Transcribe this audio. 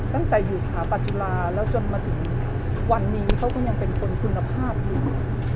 ตั้งแต่อยู่สถาปัตุลาแล้วจนมาถึงวันนี้เขาก็ยังเป็นคนคุณภาพอยู่